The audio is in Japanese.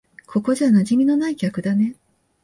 ここじゃ馴染みのない客だね。